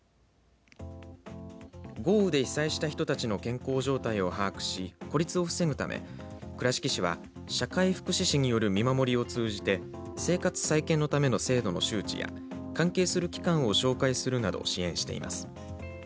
豪雨で被災した人たちの健康状態を把握し孤立を防ぐため倉敷市は社会福祉士による見守りを通じて生活再建のための制度の周知や関係する機関を紹介するなど支援しています。